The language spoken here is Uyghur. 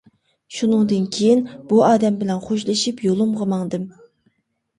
شۇنىڭدىن كىيىن بۇ ئادەم بىلەن بىلەن خوشلىشىپ يولۇمغا ماڭدىم.